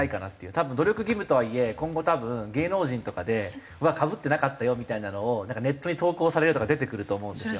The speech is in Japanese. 多分努力義務とはいえ今後多分芸能人とかで「うわっかぶってなかったよ」みたいなのをネットに投稿されるとか出てくると思うんですよ。